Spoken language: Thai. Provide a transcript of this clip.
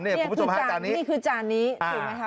นี่คือจานนี้ถูกไหมคะ